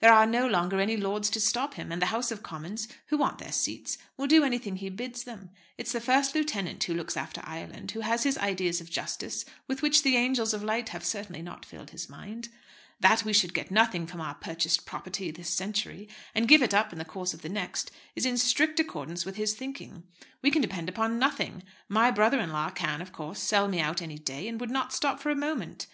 There are no longer any lords to stop him, and the House of Commons, who want their seats, will do anything he bids them. It's the First Lieutenant who looks after Ireland, who has ideas of justice with which the angels of light have certainly not filled his mind. That we should get nothing from our purchased property this century, and give it up in the course of the next, is in strict accordance with his thinking. We can depend upon nothing. My brother in law can, of course, sell me out any day, and would not stop for a moment.